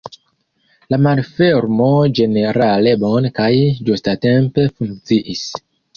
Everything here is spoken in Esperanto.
La malfermo ĝenerale bone kaj ĝustatempe funkciis.